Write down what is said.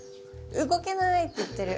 「動けない」って言ってる。